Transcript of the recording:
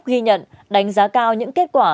ghi nhận đánh giá cao những kết quả